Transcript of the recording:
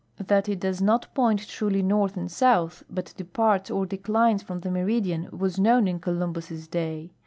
That it docs not point tridy north and sontli hut deiiartsor declines from the lueriilian was known inCohmi biis' day.